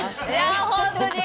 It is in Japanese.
本当に。